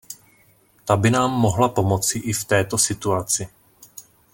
Ta by nám mohla pomoci i v této situaci.